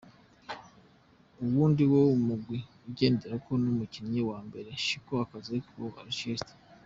Uwundi uwo mugwi ugenderako n'umukinyi w'imbere, Shinji Okazaki wa Leicester.